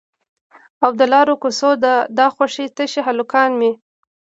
او د لارو کوڅو دا خوشي تشي هلکان مې